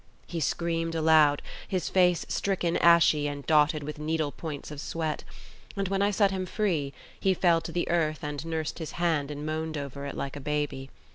He screamed aloud, his face stricken ashy and dotted with needle points of sweat; and when I set him free, he fell to the earth and nursed his hand and moaned over it like a baby.